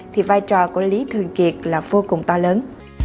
thì vai trò của lý thường kiệt là vô cùng to lớn